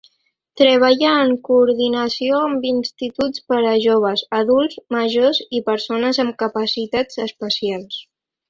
Treballa en coordinació amb instituts per a joves, adults majors i persones amb capacitats especials.